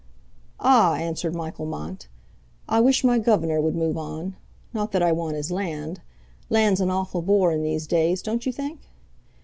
"Ah!" answered Michael Mont, "I wish my gov'nor would move on. Not that I want his land. Land's an awful bore in these days, don't you think?"